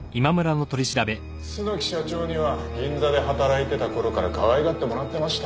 楠木社長には銀座で働いてた頃からかわいがってもらってました。